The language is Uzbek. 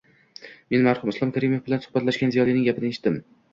Men marhum Islom Karimov bilan suhbatlashgan ziyolining gapini eshitdim: